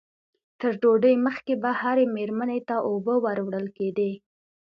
تر ډوډۍ مخکې به هرې مېرمنې ته اوبه ور وړل کېدې.